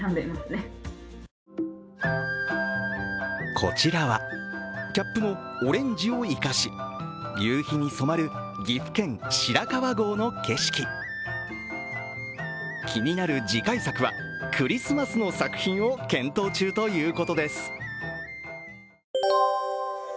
こちらは、キャップのオレンジを生かし、夕日に染まる岐阜県・白川郷の景色気になる次回作はクリスマスの作品を検討中ということです。